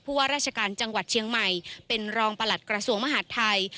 ว่าราชการจังหวัดเชียงใหม่เป็นรองประหลัดกระทรวงมหาดไทย